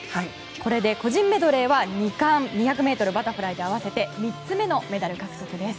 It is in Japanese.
これで個人メドレーは２冠２００ｍバタフライと合わせて３つ目のメダル獲得です。